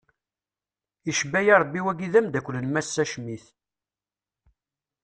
Icebbayi rebbi wagi d amdakel n massa Schmitt.